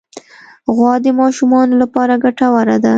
غوا د ماشومانو لپاره ګټوره ده.